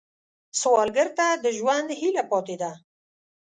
سوالګر ته د ژوند هیله پاتې ده